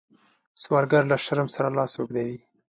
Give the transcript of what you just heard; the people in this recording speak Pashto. سوالګر له شرم سره لاس اوږدوي